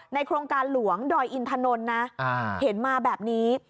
โครงการหลวงดอยอินถนนนะเห็นมาแบบนี้